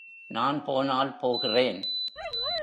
நான் போனால் போகிறேன்.